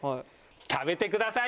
食べてください！